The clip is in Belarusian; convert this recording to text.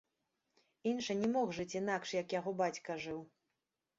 Іншы не мог жыць інакш, як яго бацька жыў.